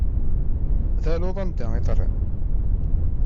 D aluḍ anda i terriḍ.